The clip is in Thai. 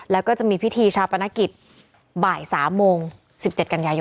แล้วก็จะมีพิธีชาปนกิจบ่าย๓โมง๑๗กันยายน